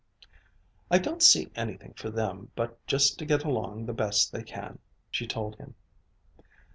"I don't see anything for them but just to get along the best they can," she told him.